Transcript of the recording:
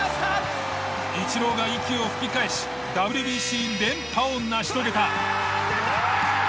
イチローが息を吹き返しＷＢＣ連覇を成し遂げた。